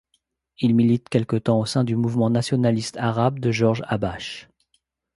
Il milite quelque temps au sein du Mouvement nationaliste arabe de Georges Habache.